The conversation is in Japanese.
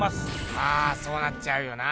まあそうなっちゃうよな。